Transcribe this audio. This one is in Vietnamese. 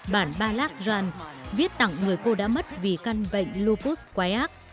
bản balak jans viết tặng người cô đã mất vì căn bệnh lukus quái ác